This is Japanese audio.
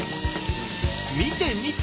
見て見て！